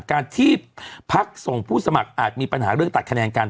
การที่พักส่งผู้สมัครอาจมีปัญหาเรื่องตัดคะแนนกัน